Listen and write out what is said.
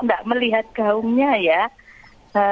tidak melihat gaungnya ya